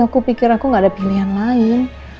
aku pikir aku gak ada pilihan lain